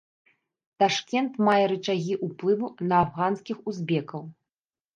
Ташкент мае рычагі ўплыву на афганскіх узбекаў.